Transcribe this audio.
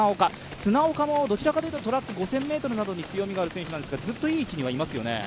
砂岡もどちらかというとトラック５０００ｍに強みがある選手ですがずっといい位置にはいますよね。